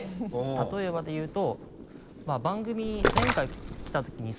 例えばで言うと。